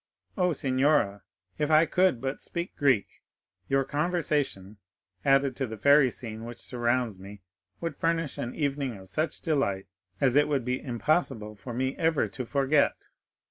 Oh, signora, if I could but speak Greek, your conversation, added to the fairy scene which surrounds me, would furnish an evening of such delight as it would be impossible for me ever to forget."